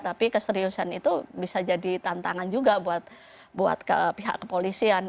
tapi keseriusan itu bisa jadi tantangan juga buat pihak kepolisian